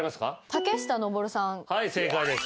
はい正解です。